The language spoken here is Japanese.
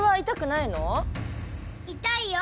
いたいよ。